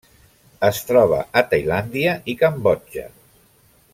Es troba a Tailàndia i Cambodja.